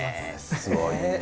すごいね。